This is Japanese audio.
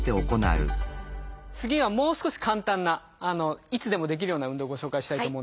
次はもう少し簡単ないつでもできるような運動をご紹介したいと思うんですけど。